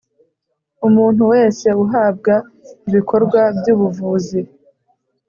Umuntu wese uhabwa ibikorwa by ubuvuzi